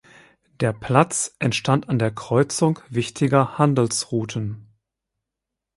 Der Platz entstand an der Kreuzung wichtiger Handelsrouten.